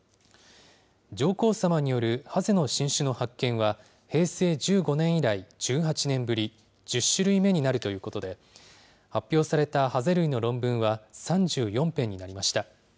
上皇さまによるハゼの新種の発見は、平成１５年以来１８年ぶり、１０種類目になるということで、発表されたハゼ類の論文は３４編になりました。